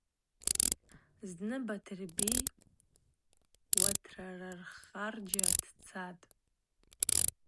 Зны Батырби уатрархарджьра дцатӏ.